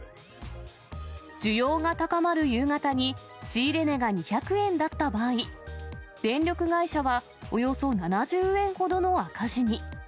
需要が高まる夕方に、仕入れ値が２００円だった場合、電力会社はおよそ７０円ほどの赤字に。